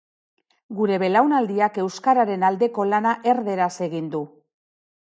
Gure belaunaldiak euskararen aldeko lana erdaraz egin du.